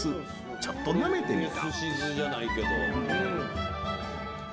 ちょっとなめてみた。